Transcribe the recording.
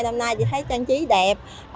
năm nay chỉ thấy trang trí đẹp